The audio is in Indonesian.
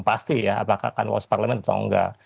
pasti ya apakah akan wasparlemen atau enggak